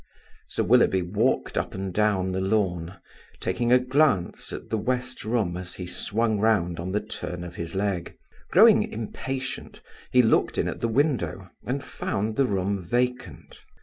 Sir Willoughby walked up and down the lawn, taking a glance at the West room as he swung round on the turn of his leg. Growing impatient, he looked in at the window and found the room vacant.